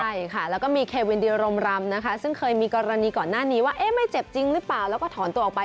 ใช่ค่ะแล้วก็มีเควินดิรมรำนะคะซึ่งเคยมีกรณีก่อนหน้านี้ว่าเอ๊ะไม่เจ็บจริงหรือเปล่าแล้วก็ถอนตัวออกไป